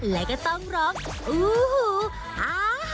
และก็ต้องร้องอูหูอ่า